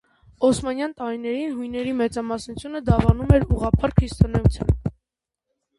Օսմանյան տարիներին հույների մեծամասնությունը դավանում էր ուղղափառ քրիստոնեության։